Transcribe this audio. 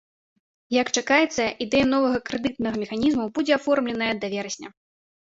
Як чакаецца, ідэя новага крэдытнага механізму будзе аформленая да верасня.